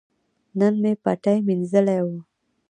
نن مې پټی مینځلي وو.